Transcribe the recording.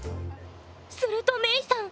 するとメイさん